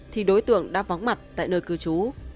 thì đối tượng đã vắng mặt tại nơi cư trú